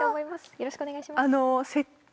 よろしくお願いします。